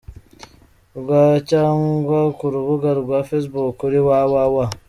rw cyangwa ku rubuga rwa facebook kuri www.